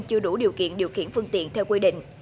chưa đủ điều kiện điều khiển phương tiện theo quy định